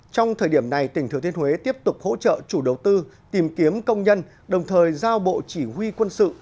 trong thời điểm này tỉnh thừa thiên huế tiếp tục hỗ trợ chủ đầu tư tìm kiếm công nhân đồng thời giao bộ chỉ huy quân sự